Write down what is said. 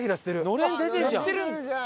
のれん出てるじゃん